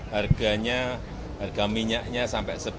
harganya harga minyaknya sampai